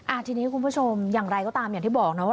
ทีนี้คุณผู้ชมอย่างไรก็ตามอย่างที่บอกนะว่า